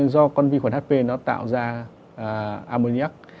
do con vi khuẩn hp tạo ra ammoniac